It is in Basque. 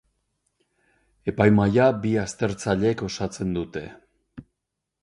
Epaimahaia bi aztertzailek osatzen dute.